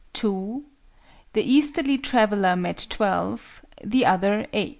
(2) The easterly traveller met 12; the other 8.